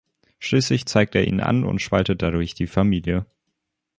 Schließlich zeigt er ihn an und spaltet dadurch die Familie.